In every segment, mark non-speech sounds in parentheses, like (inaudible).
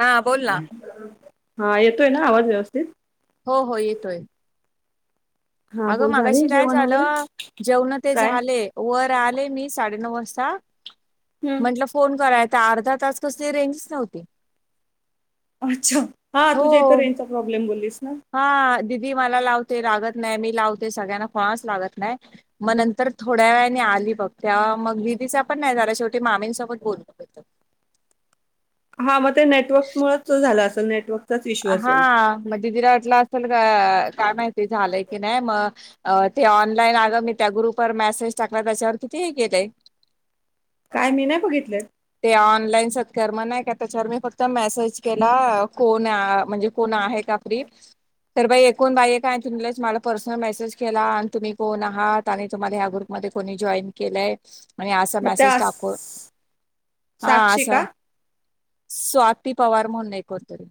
हा बोल ना हा येतोय ना आवाज व्यवस्थित हो हो येतोय हा अगं बोल मागाशी झाले काय जेवण वगैरे झालं जेवण ते काय झाले वर आले मी साडेनऊ वाजता हम्म. म्हंटलं फोन करायचा अर्धा तास कसली रेंज नव्हती अच्छा हा हो तुझ्या इथं रेंजचा प्रॉब्लेम बोललीस ना हा द दिदी मला लावते लागत नाही मी लावते सगळ्यांना कोणाच लागत नाही मग नंतर थोड्या वेळाने आली बघ त्या मग दिदीचा पण नाही झारा शेवटी मामींसोबत बोलत हा मग ते नेटवर्क मुच झालं असल नेटवर्क हा मदीरा वाटला अस ल काय माहिती झालंय की नाही मग ते ऑनलाईन अग मी त्या ग्रुपवर मेसेज टाकला त्याच्यावर किती हे केेतय काय मी नाही बघितले ऑन त्यावर मी फक्त मेसेज केला म्हणज को का तर बा एकूण बाई का तुम मला पर्सनल मेसेज केला आणि तुम्ही कोण आहात आणि तम्हाला ग्रुप म कोणी जॉन केलंय आणि असा मग मेसेज त्या टाक हा साक्षी असं का स्ो आतीी पवार म्हनय करतरी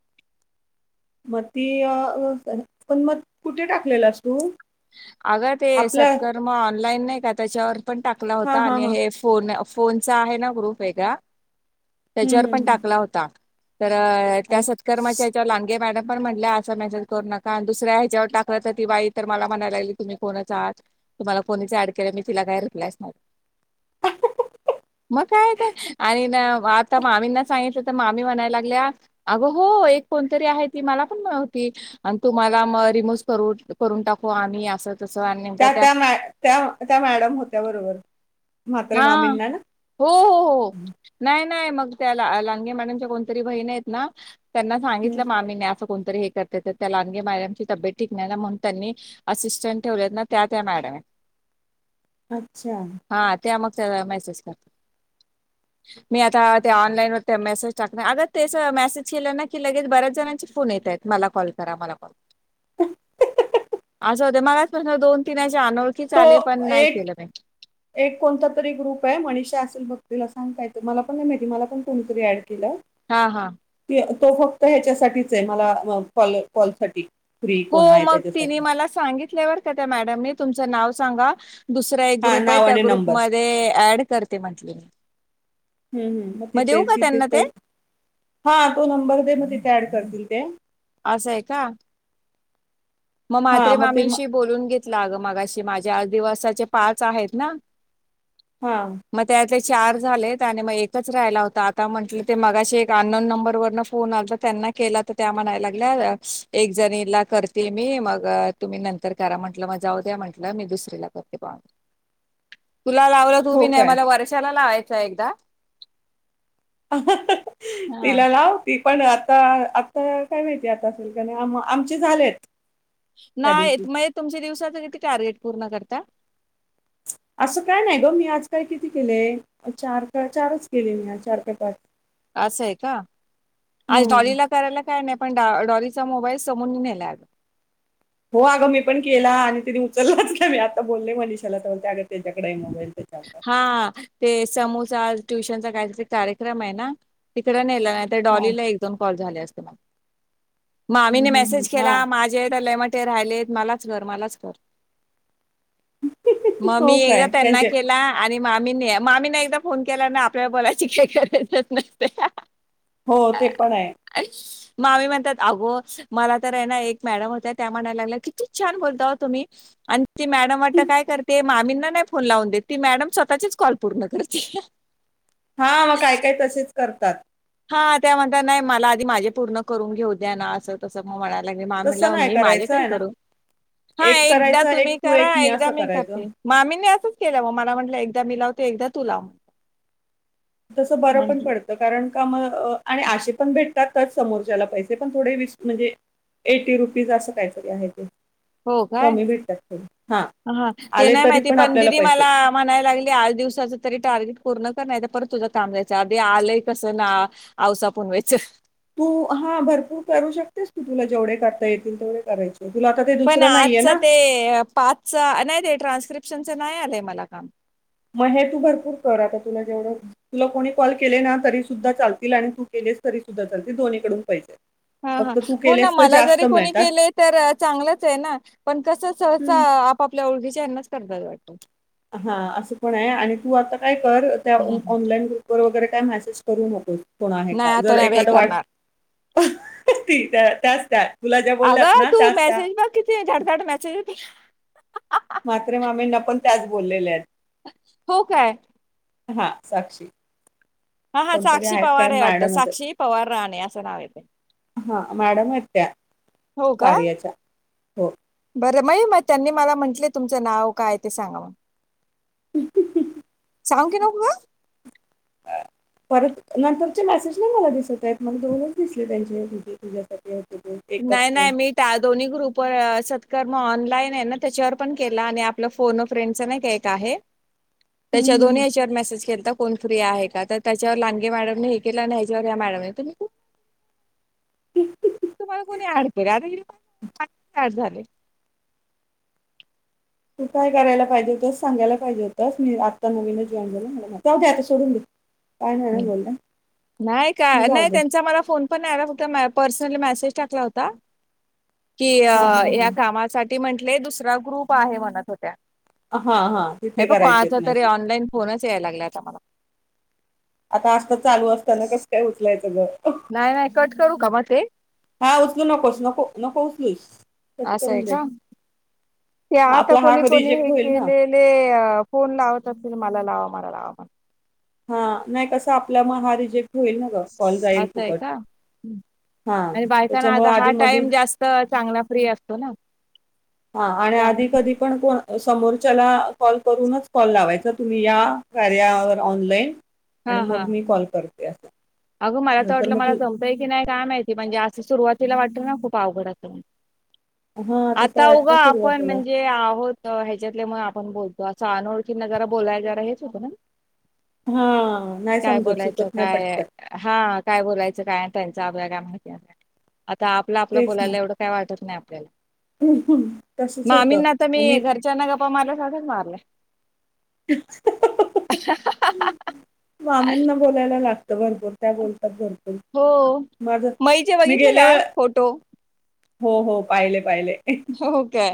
मग ती अ पण मग कुठे टाकलेला अस तू आगर ते आपल्या सत्कर्मा ऑनलाईन नाही कातायचर पण टाकला हा होता हा आणि हा हे फोन फोनचा आहे ना ग्रुप आहे का हम्म त्याच्यावर पण हम्म हम्म. टाकला होता तर अ, त्या सत्कर्माच्याच्या लांगे मॅडम पण म्हटल्या असं मेसेज करू नका आणि दुसऱ्या ह्याच्यावर टाकायच ति वाई म म्हणायग तुम्ही कोच आहात तुम्हाला को ऍड केलं मी तिला काय रिप्लाय नाही मग काय आणि आता मामींना सांगितलं तर मामी म्हणायला लागले अग हो एक कोणतरी आहे ती मला पणती आणि तू मला रिमूव कर कर टाक णी असत त्या त्या म त्या त्या मॅडम होत्या बरोबर म्हात्रे हा मामींना ना हो हो हो नाही नाही मग त्या लागे माणंच्या कोणतरी बहीण आहेत ना त्यांना हम्म. सांगितलं मामीने असं कोणतरी हे कर तर त्या लागे मॅडमची तब्येतिकणार ना म्हणून त्यांनी असिस्टंट ठेवले ना त्या त्या मॅडम अच्छा हा त्या मग त्या मेसेज करत मी आता त्या ऑनलाईन व मेसेज टाकणार अग त्याच मेसेज केलं ना की लगेच बऱ्याच जणांचे फोन येत आहेत मला कॉल करा मला कॉल करा आझ मगच दन त अनोळखीच तो आले पण नाही एक केलं नाही एक कोणता तरी ग्रुप आहे मनीषा असेल बघ तला सांगता येतं मला पण नाही माहिती मला पण कोणीतरी ऍड केलं. हा हा ती- तो फक्त ह्याच्यासाठीच आहे मला कॉल कॉल साठी हो मग ति मला सांगितल्यावर त्या मॅडम त नाव सांगा? दुसरा एक हा ग्रुप आहे नाव त्या आणि नंबर ग्रुपमध्येध्ये ऍड करते म्हंटले म हम् हम् मग तिथे तिथे ते तर हा तो नंबर दे मग तिथे ऍड करतील. ते- असंय का मग हा मात्रे ते म- मामींशी बोलून घेत ग मग माझ्या आ दिवसाचे पाच आहेत ना हा म चार झाले आणि मग एकच राहिला होता आता म्हंटलं ते मगाशी एक अनन नंबर वरन फोन आला त्यांना केला तर त्या म्हणा लागल्या एक जणीला कर. ते मी मग तुम्ही नंतर करा म्हंटलं मग जाऊ द्या म्हंटलं मी दुसरीला करते पाह. तुला लावलं तू हो बी नाही काय मला वर्षाला लावायच एकदा हा तिला लाव त पण आता आता काय माहितीय आता असेल का नाही आम आमचे झालेत. त्या नाही दिवशी मग तुमच्या दिवसाच टार्गेट पूर्ण करता असं काय नाही ग मी आज काल किती केलेय चार का चारच केले मी आज चार का पाच? असं आहे का आज हम्म डॉलीला करायला. काय नाही पण डॉरीचा मोबाईल समोर नेला आ.. हो अगं मी पण केला आणि ति उचललाच का मी आता बोलले मनिषाला त्या ग हा ते समो ्य कार्य्र त त्या हा डॉलीला एक दोन कॉल झाले मामीे हम्म, हम्म, मेसेज हम्म. केला हा माझ्याेत म ते राहिले मलाच घ मलाच कर. मग मी हो काय एकदा त्यांचे के आणि मामीने मामीने एकदा फोन केला ना आपल्या बोलायची काय करायचंच नसते. हो ते पण आहे. मामी म्हणतात अगो मला तर आहे ना एक मॅडम होत त्या म्हणायला लागल्या किती छान बोलता तुम्ही आणि ती मॅडम वाटत काय करते मामींना नाही फोन लावून देत त मॅडम स्वतःचीच कॉल पूर्ण करते. हा मग काय काय तसेच करत तात. हा त्या म्हणतात नाही मला आधी माझे पूर्ण करून घेऊद्या ना असं तसं मग तसं म्हण नाही मी माझे करायचं कधी आहे ना करू हा एक एकदा करायचा एक तुम्ही तू करा एक एकदा असं मी करायचं करते मामी अस केलं मग मला म्हटलं एकदा मी लावते एकदा तू लाव. तस बरं पण म्हटली पडतं कारण का आणि अशे पण भेटतात समोरच्याला पैसे पण थोडे वीस म्हणजे एटी रुपीज अस काहीतरी आहे ते! हो काय? कमी भेटतात थोडे हा ह ते आले नाही तरी माहिती पण आपल्याला दिदी पैसे मला म्हणायला लागली आठ दिवसाच तरी टार्गेट पूर्ण नाही परत तुझं काम जा्यायचं अधदी आलंय कसं ना आवसा पुनवेच! तू हा भरपूर करू शकतेस तू तुला जेवढे करता येतील तेवढे करायचे. तुला आता ते पण दुसरं नाहीये आजचा ना, ते पाचचा नाही ते ट्रान्स्क्रिप्ट पशनच नाही आलंय मला काम. मग हे तू भरपूर कर आता तुला जेवढं तुला कोणी कॉल केले ना तरी सुद्धा चालतील आणि तू केलेस तरी सुद्धा चालतील दोन्हीकडून पैसे हा हा फक्त तू हो ना केलेस तर मला जास्त जरी कोणी मिळतात. केले तर चांगलंच आहे ना पण कस सहसा हं. आपापल्या ओळखी त्यांना च करतात वाटत! हा असं पण आहे आणि तू आता काय त्या हम्म, हम्म. ऑनलाईन ग्रुप वगैर काय मसेस करू नको. कोण आहे नाही का? आता जर नाही बाई एखादं वाट करणार (inaudible) बोलल्यात अगं ना तू त्याच त्या मेसेज मग किती झाटझाट मेसेज (inaudible) म्हात्रे मामी ना पण त्याच बोललेल्या आहेत. हो काय? हा साक्षी हा हा कोणतरी साक्षी आहेत काय पवार हे वाटत मॅडमच आहेत. साक्षी पवार राणे असं नाव येतय. हा मॅडम येत्या का कारयाच्या. हो! बरं मा मग त्यांनी मला म्हटले तुमचं नाव काय ते सांगा मला सांगू की? नको ग परत नंतरचे मेसेज नाही मला दिसत आहेत मग दोनच दिसले त्यांचे तुझ्यासाठी ते एकच नाही फोन. नाही मी त्या दोन्ही ग्रुप सत्कर्म ऑनलाईन आहे ना त्याच्यावर पण केला आणि आपलं फोन, अ फ्रेंडचा नाही एक आहे. हं, त्याच्या हं, दोन्ही हं. याच्यावर मेसेज केलता फोन फ्री आहे का तर त्याच्यावर लांगे मॅडमने हे केला ह्याच्यावर ह्या मॅडम ने तर मी हुं हूं. हिला माझेच ऍड झाले. तू काय करायला पाहिजे होतस सांगायला पाहिजे होतस. मी आत्ता नवीन जॉईन झालो. जाऊ द्याता सोडून दे. काय नाही ना बोलल्या. नाही. मग काय जाऊ नाही दे. त्यांचा मला फोन पण नाही आला फक्त पर्सनली मेसेज टाकला होता. की अ हां, हां, या हां. कामासाठी ते म्हंटले दुसरा ग्रुप आहे म्हणत होत्या. हा हा. तिथे करायचे आहेत मेसेज. या लागलं आता मला. (unintelligible) नाही नाही कट करू का मग ते? हा उचलू नकोस, नको नको उचलूस. कट असं आहे करून दे. का? ते मग आता आपला हा कोणी कोणी रिजेक्ट हे होईल ना. केलेले फोन लावत असतील. मला लावा मला लावा मला. हा नाही कसं आपल्या म हा रिजेक असं आहे का हां, आणि त्याच्यामुळे बायकांना हा आधीमधी टाइम जास्त चांगला फ्री असतो ना. हा आणि त्यामुळे आधी कधी पण कोण समोरच्याला कॉल करूनच कॉल लावायचा तुम्ही या कार्यावर ऑनलाईन आणि हा हा मग मी कॉल कर अगं मला तर वाटलं मला जमतंय की नाही काय माहिती म्हणजे असं सुरुवातीला वाट ते ना खूप अवघड असतं. हां, तसं आता उघ वाटतं आपण सुरुवातीला. म्हणजे आहोत ह्याच्यातले म आपण बोलतो. त असं अनोळखींना जरा बोलाय जरा हेच होतं ना. हं नाही समजत सुकत नाही पटकन. हा काय बोलायचं काय त्यांचं आपल्या काय माहिती असणा आता आपलं आपलं बोलायला एवढं काय वाटत नाही आ च (unintelligible) हूं हूं तसच होतं हमीप. अ मला साधच मारलय. (unintelligible) मामंना बोलायला लागतं भरपूर. त्या बोलतात बोल. हो मई जे बघितले गेल्या काय वेळे फोटो. हो हो पाहिले पाहिले. हो का.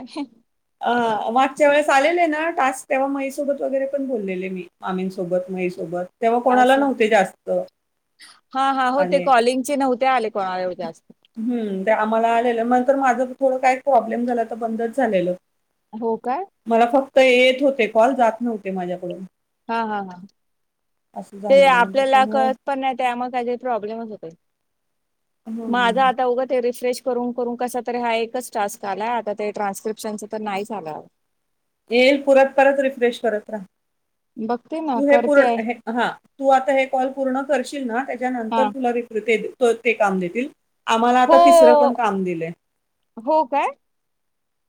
अ वागच्या वेळेस. चालेले ना टास्क तेव्हा मईसोबत वगैरे पण बोललेले मी मामींसोबत मईसोबत... तेव्हा कोणाला असं नव्हते जास्त हां, हां. हो आणि.... कॉलिंगचे ते नव्हते आले कोणालाऐवज जास्त... हम्म आम्हाला आलेलं मंतर माझं थोडं काय प्रॉब्लेम झाला तर बंदच झालेलं. हो का तर येत होते कॉल जात नव्हते माझ्याकडून हा हा हा असं ते झालेलं आपल्याला त्याच्यामुळं कळत पण नाही त्यामुळे काही प्रॉब्लेमच होते माझं हम्म. आता उघं ते रिफ्रेश कर क त हा एकच टास्क आला आता ट्रान्स्क्रिप्शन नाही झाला येईल पुरत परत रिफ्रेश करत राहा बघते ना प करते आहे. तू आ कल पूर्ण करशील न हां. अंतर फुलरिकते दि ते काम देतील आम्हाला हो आता तिसरं पण काम दिले हो काय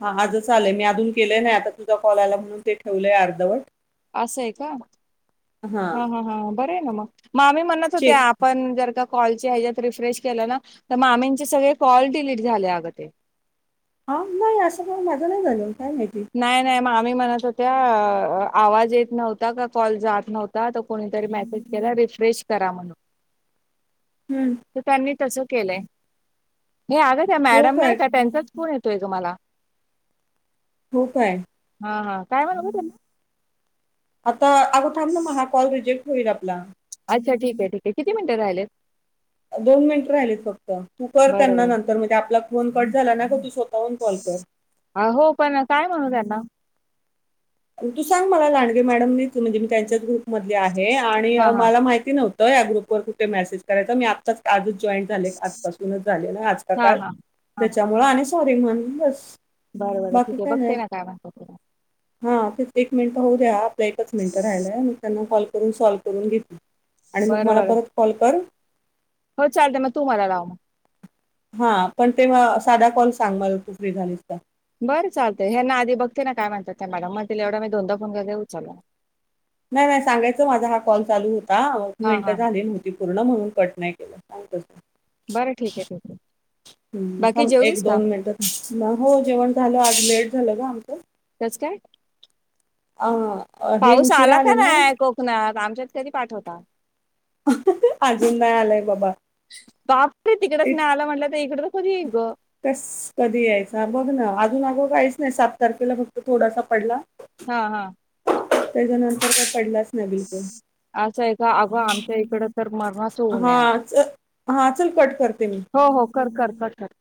हा आजच चालय मी अजून केले नाही आता तुझा कॉल आला म्हणून ते ठेवलंय अर्धवट असंय का हा हा हा बर आहे ना मग मामी म्हणत होते चेक आपण जर का कॉल हत्रेश के मामीं सगळे कॉल डलीट झाले अग हा नाही असं पण माझं नाही झालं काय माहिती नाही नाही मा म्हणत होत्या आवाज येत नव्हता का कॉल जात नव्हता कोणीतरी मेसेज केला रिफ्रेश करा म्हणून हम्म. तर त्यांनी तस केलंय हे आगच हो मॅडम नाही काय का त्यांच कोण येतोय ग मला हो काय हा हा काय म्ह ब त्यांना तर आगोाम ना महा कॉ रिजेक््ह होईल आपला अच्छा ठीक आहे ठीक आहे किती मिनटं राहिलेत दोन मिनिट राहिलीत फक्त तू कर त्यांना बरोबर नंतर म्हणजे आपला फोन कट झाला ना ग तू स्वतःहून कॉल कर हो पण काय म्हणू त्यांना तू सांग मला लांडगे मॅडम म्हणजे मी त्यांच्याच ग्रुप मधले आहे हे आणि हा हा मला माहिती नव्हती या ग्रुप वर कुठे मेसेज करायच मी आताच आ हा हा आ सॉे मन बस बरबर आहे ठीके आहे बघते ना काय मात तला हा तेच एक मिनट पाहू द्या आप एककाच मिनटर राहिलाय मग त्यांना कॉल करून सॉल्व करून घेते आणि मग बरं मला बरं परत कॉल कर हो चालते मग तू मला लाव मग हा पण ते म साधा कॉल सांग मला तू फ्री झालीस का बरं चालत हे ना आधी बघते ना काय म्हणतात त्या मॅडम मग तिला एवढा मी दोनदा फोन घेऊचाल नाही नाही सांगायचं माझा हा कॉल चालू होता ह हां मिनटं हां झाली नव्हती पूर्ण म्हणून कट नाहीई केलं सांगत बरं ठीक आहे ठीक आहे बाकी ह एक जेवलीस का दोन मिनट हो जेवण झालं आठ मिट झालं ग आमचं नमस्कार अ, अ, हे पाऊस उशिरा आला आले का ना, नाही कोकणात आमच्या कधी पाठवता अजून नाही आलाय बाबा क ग कस कधी यायचा बघ ना अजून अगो काहीच नाही सात तारखेला फक्त थोडासा पडला हा हा त्याच्या नंतर काय पडला असं आहे का अग आमच्या इकड तर मरणाच होऊ नये अ हा च हा चल कट करते मी हो हो कर कर घठन